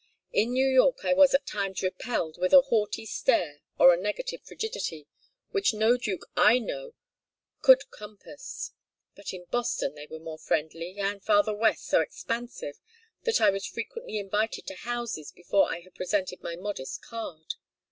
In New York I was at times repelled with a haughty stare or a negative frigidity which no duke I know could compass. But in Boston they were more friendly, and farther West so expansive that I was frequently invited to houses before I had presented my modest card.